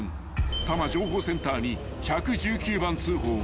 ［多摩情報センターに１１９番通報が］